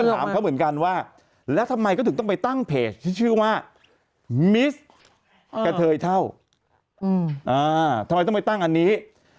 ทำไมต้องไปตั้งอันนี้